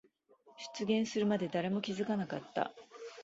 出現するまで誰も気づかなかった。